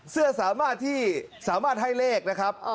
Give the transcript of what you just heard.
สามารถที่สามารถให้เลขนะครับ